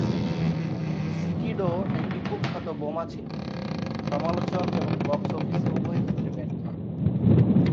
স্কিডো একটি কুখ্যাত বোমা ছিল, সমালোচক এবং বক্স অফিসে উভয় ক্ষেত্রে ব্যর্থ।